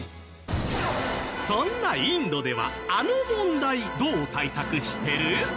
そんなインドではあの問題どう対策してる？